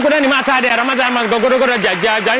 เฮียเดี๋ยว